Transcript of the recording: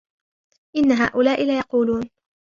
إن هؤلاء ليقولون